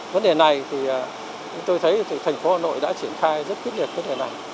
vấn đề này thì tôi thấy thành phố hà nội đã triển khai rất kích liệt vấn đề này